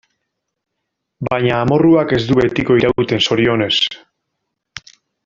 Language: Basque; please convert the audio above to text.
Baina amorruak ez du betiko irauten, zorionez.